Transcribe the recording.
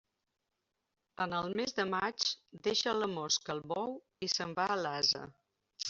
En el mes de maig, deixa la mosca el bou i se'n va a l'ase.